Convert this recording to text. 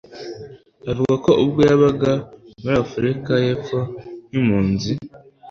Avuga ko ubwo yabaga muri Afurika y'Epfo nk'impunzi,